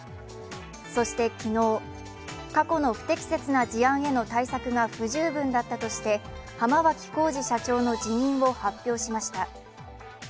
そして昨日、過去の不適切な事案への対策が不十分だったとして浜脇浩次社長の辞任を発表しました。